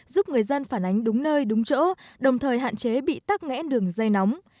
giúp người dân phản ánh đúng nơi đúng chỗ đồng thời hạn chế bị tắt ngẽ đường dây nóng